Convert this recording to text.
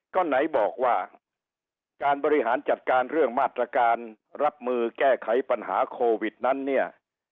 ก็ไหนบอกว่าการบริหารจัดการเรื่องมาตรการรับมือแก้ไขปัญหาโควิดนั้นเนี่ย